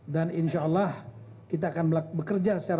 dan insya allah kita akan bekerja secara mantap